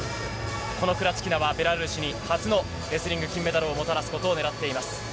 このクラチキナはベラルーシに初のレスリング金メダルをもたらすことを狙っています。